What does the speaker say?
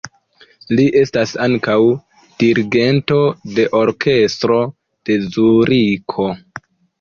Li estas ankaŭ dirigento de orkestro de Zuriko.